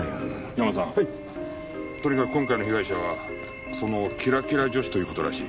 ヤマさんとにかく今回の被害者はそのキラキラ女子という事らしい。